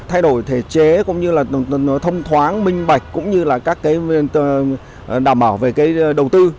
thay đổi thể chế cũng như là nó thông thoáng minh bạch cũng như là các cái đảm bảo về cái đầu tư